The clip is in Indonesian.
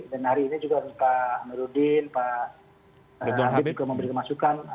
dan hari ini juga pak nurudin pak habib juga memberikan masukan